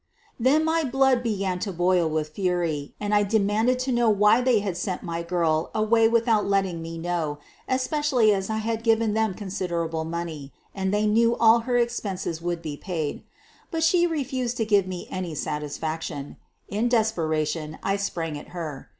Then my blood began to boil with fury, and I de manded to know why they had sent my girl away without letting me know, especially as I had given them considerable money, and they knew all her expenses would be paid. But she refused to give me any satisfaction. In desperation I sprang at her.